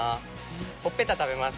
ほっぺた食べます